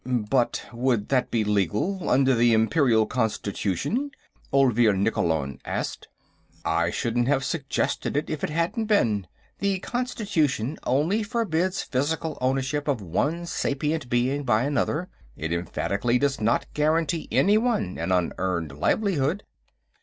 "But would that be legal, under the Imperial Constitution?" Olvir Nikkolon asked. "I shouldn't have suggested it if it hadn't been. The Constitution only forbids physical ownership of one sapient being by another; it emphatically does not guarantee anyone an unearned livelihood."